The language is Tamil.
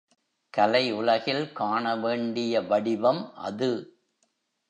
கலை உலகில் காண வேண்டிய வடிவம் அது.